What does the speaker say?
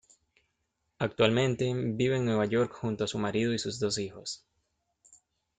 Actualmente, vive en Nueva York junto a su marido y sus dos hijos.